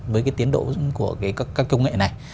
với tiến độ của các công nghệ này